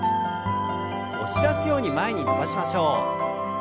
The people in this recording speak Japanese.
押し出すように前に伸ばしましょう。